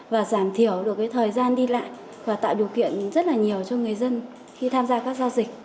và giảm thiểu được cái thời gian đi lại và tạo điều kiện rất là nhiều cho người dân khi tham gia các giao dịch